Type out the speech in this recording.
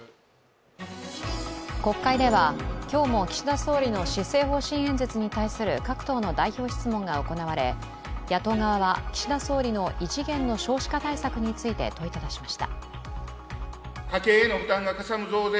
国会では今日も岸田総理の施政方針演説に対する各党の代表質問が行われ野党側は岸田総理の異次元の少子化対策について問いただしました。